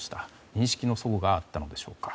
認識の祖語があったのでしょうか。